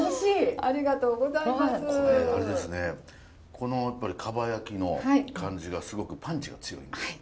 このやっぱり蒲焼きの感じがすごくパンチが強いというか。